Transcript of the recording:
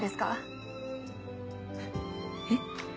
えっ？